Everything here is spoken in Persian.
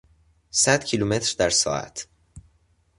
صد کیلومتر در ساعت